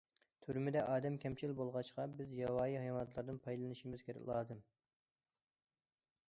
تۈرمىدە ئادەم كەمچىل بولغاچقا، بىز ياۋايى ھايۋاناتلاردىن پايدىلىنىشىمىز لازىم.